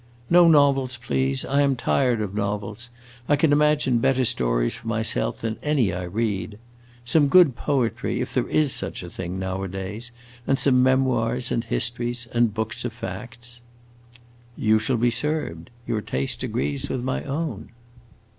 "No novels, please! I am tired of novels. I can imagine better stories for myself than any I read. Some good poetry, if there is such a thing nowadays, and some memoirs and histories and books of facts." "You shall be served. Your taste agrees with my own."